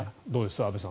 安部さん。